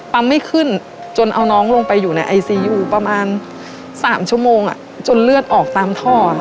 ไม่ขึ้นจนเอาน้องลงไปอยู่ในไอซียูประมาณ๓ชั่วโมงจนเลือดออกตามท่อ